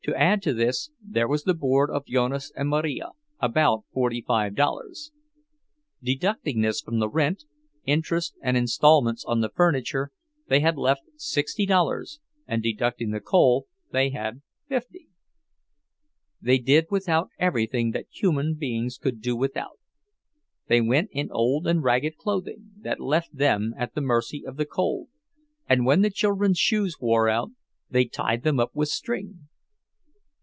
To add to this there was the board of Jonas and Marija, about forty five dollars. Deducting from this the rent, interest, and installments on the furniture, they had left sixty dollars, and deducting the coal, they had fifty. They did without everything that human beings could do without; they went in old and ragged clothing, that left them at the mercy of the cold, and when the children's shoes wore out, they tied them up with string.